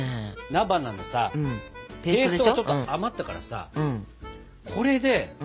菜花のさペーストがちょっと余ったからさこれで何かできないかな。